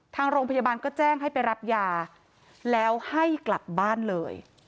ทางโรงพยาบาลก็แจ้งให้ไปรับยาแล้วให้กลับบ้านเลย